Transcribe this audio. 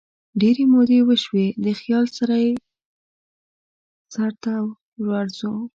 ډیري مودې وشوي دخیال سره یې سرته ورځو